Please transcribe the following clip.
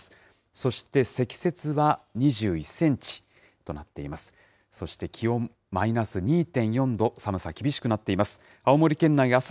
そして、積雪は２１センチとなっています。